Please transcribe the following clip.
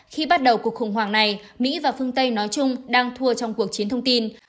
khi bắt đầu cuộc khủng hoảng này mỹ và phương tây nói chung đang thua trong cuộc chiến thông tin